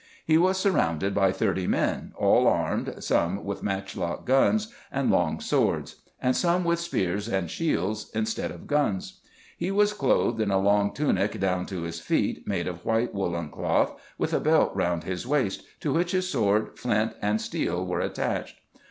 He was surrounded by thirty men, all armed, some with matchlock guns and long swords, and some with spears and shields intead of guns. He was clothed in a long tunic down to his feet, made of white woollen cloth, with a belt round lus waist, to which his sword, flint, and steel were attached.